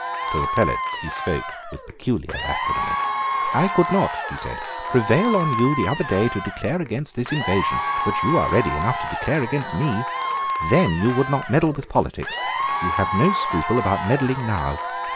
To the prelates he spoke with peculiar acrimony. "I could not," he said, "prevail on you the other day to declare against this invasion: but you are ready enough to declare against me. Then you would not meddle with politics. You have no scruple about meddling now.